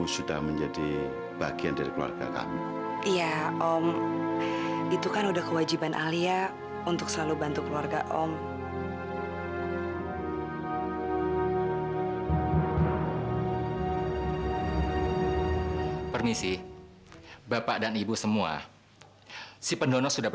saya sangat ingin anak saya itu segera sembuh